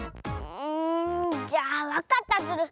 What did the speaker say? んじゃあわかったズル。